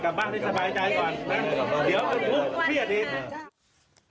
เดี๋ยวพี่อดีต